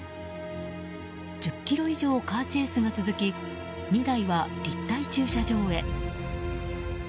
１０ｋｍ以上カーチェイスが続き２台はいったん駐車場へ。